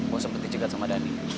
gue sempet dicegat sama dani